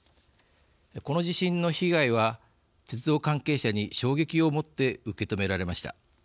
この地震の被害は鉄道関係者に衝撃をもって受け止められました。